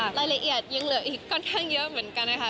รายละเอียดยังเหลืออีกค่อนข้างเยอะเหมือนกันนะคะ